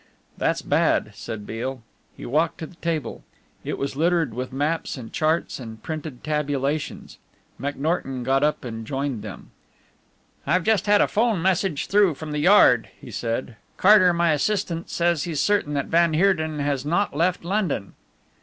"That's bad," said Beale. He walked to the table. It was littered with maps and charts and printed tabulations. McNorton got up and joined them. "I have just had a 'phone message through from the Yard," he said. "Carter, my assistant, says that he's certain van Heerden has not left London."